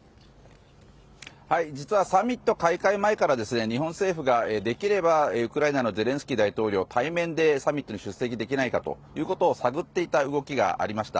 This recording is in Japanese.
実はサミット開会前から日本政府が、できればウクライナのゼレンスキー大統領対面でサミットに出席できないかということを探っていた動きがありました。